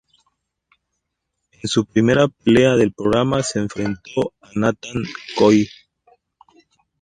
En su primera pelea del programa se enfrentó a Nathan Coy.